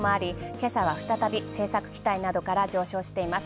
今朝は再び政策期待などから上昇しています。